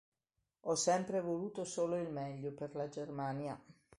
Ho sempre voluto solo il meglio per la Germania.